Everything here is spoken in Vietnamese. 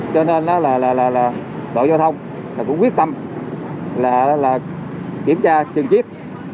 cho nên là đội giao thông cũng quyết tâm kiểm tra chừng chiếc